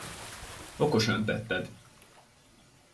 Okosan tetted!